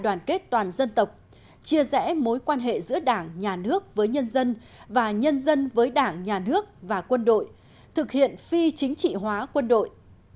đoàn kết toàn dân tộc chia rẽ mối quan hệ giữa đảng nhà nước với nhân dân và nhân dân với đảng nhà nước và quân đội thực hiện phi chính trị hóa quân đội